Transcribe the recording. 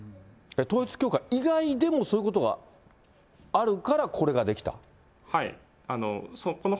統一教会以外でも、そういうことがあるから、これが出来た？